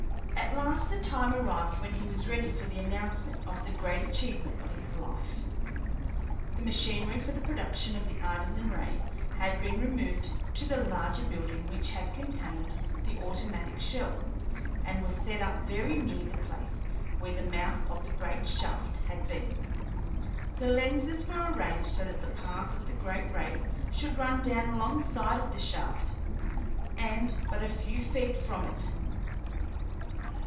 At last the time arrived when he was ready for the announcement of the great achievement of his life. The machinery for the production of the Artesian ray had been removed to the larger building which had contained the automatic shell, and was set up very near the place where the mouth of the great shaft had been. The lenses were arranged so that the path of the great ray should run down alongside of the shaft and but a few feet from it.